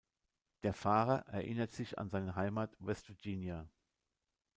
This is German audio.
Der Fahrer erinnert sich an seine Heimat West Virginia.